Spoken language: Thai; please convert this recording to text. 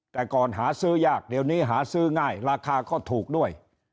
แต่ก่อนหาซื้อยากเดี๋ยวนี้หาซื้อง่ายราคาก็ถูกด้วย